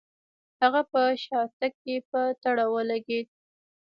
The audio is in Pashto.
هغه په شاتګ کې په تړه ولګېد.